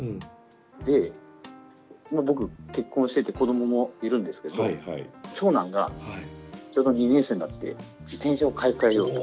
で今僕結婚してて子どももいるんですけど長男がちょうど２年生になって自転車を買い替えようと。